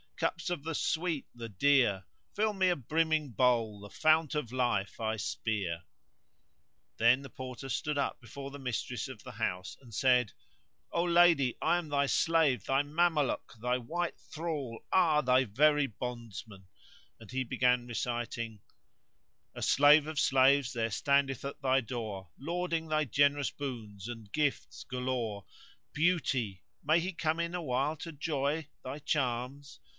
* Cups of the sweet, the dear' Fill me a brimming bowl * The Fount o' Life I speer Then the Porter stood up before the mistress of the house and said, "O lady, I am thy slave, thy Mameluke, thy white thrall, thy very bondsman;" and he began reciting:— "A slave of slaves there standeth at thy door * Lauding thy generous boons and gifts galore Beauty! may he come in awhile to 'joy * Thy charms?